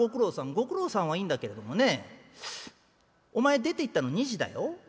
ご苦労さんはいいんだけれどもねお前出ていったの２時だよ。